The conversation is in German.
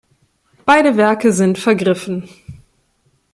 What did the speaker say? Beide Werke sind vergriffen.